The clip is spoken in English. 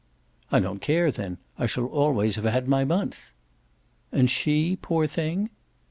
"I don't care then. I shall have always had my month." "And she poor thing?"